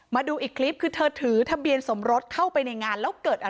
มาดูอีกคลิปคือเธอถือทะเบียนสมรสเข้าไปในงานแล้วเกิดอะไร